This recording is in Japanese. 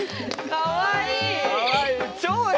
かわいい。